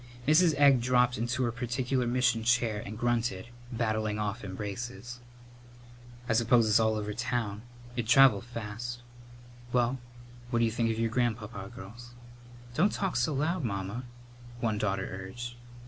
Mrs. Egg dropped into her particular mission chair and grunted, batting off embraces. "I suppose it's all over town? It'd travel fast. Well, what d'you think of your grandpapa, girls?" "Don't talk so loud, Mamma," one daughter urged.